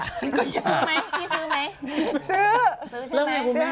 ฉันก็อยากซื้อไหมพี่ซื้อไหมซื้อ